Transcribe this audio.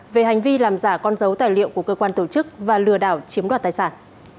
về hành vi làm giả con dấu tài liệu của cơ quan tổ chức và lừa đảo chiếm đoạt tài sản